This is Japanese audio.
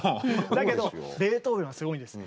だけどベートーベンはすごいんです。